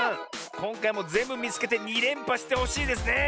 こんかいもぜんぶみつけて２れんぱしてほしいですね。